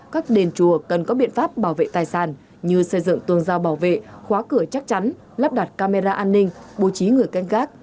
các đền chùa cần có biện pháp bảo vệ tài sản như xây dựng tường rào bảo vệ khóa cửa chắc chắn lắp đặt camera an ninh bố trí người canh gác